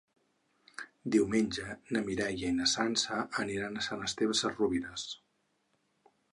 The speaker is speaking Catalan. Diumenge na Mireia i na Sança aniran a Sant Esteve Sesrovires.